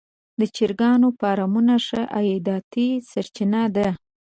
د چرګانو فارمونه ښه عایداتي سرچینه ده.